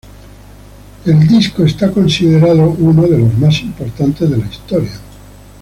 El disco es considerado uno de los más importantes de la historia.